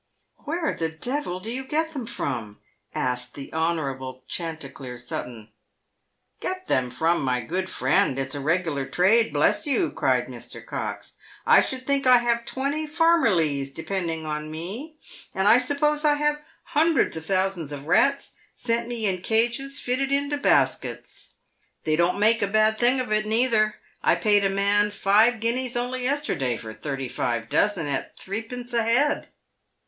" Where the devil do you get them from ?" asked the Honourable Chanticleer Sutton. " Get them from, my good friend? It's a regular trade, bless you," cried Mr. Cox. " I should think I have twenty farmmerlies depend ing on me, and I suppose I have hundreds of thousands of rats sent me in iron cages fitted into baskets. They don't make a bad thing of it neither. I paid a man five guineas only yesterday for thirty five dozen, at threepence ahead.